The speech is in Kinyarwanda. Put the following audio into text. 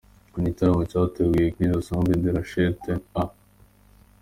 Ni igitaramo cyateguwe na Eglise Assemblee des Rachetes A.